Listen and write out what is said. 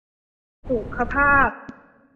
สุขภาพ